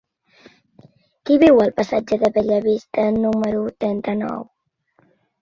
Qui viu al passatge de Bellavista número trenta-nou?